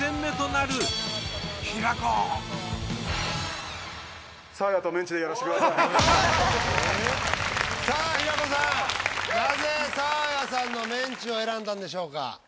なぜサーヤさんの「メンチ」を選んだんでしょうか？